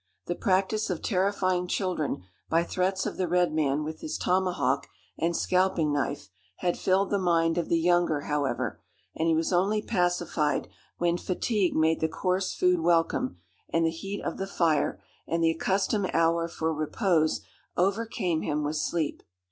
The practice of terrifying children by threats of the red man with his tomahawk and scalping knife had filled the mind of the younger, however, and he was only pacified when fatigue made the coarse food welcome, and the heat of the fire and the accustomed hour for repose overcame him with sleep.